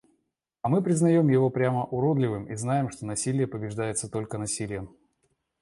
А мы признаем его прямо уродливым и знаем, что насилие побеждается только насилием.